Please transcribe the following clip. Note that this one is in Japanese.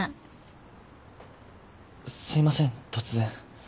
すいません突然。